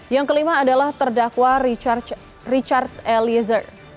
yang kelima adalah terdakwa richard eliezer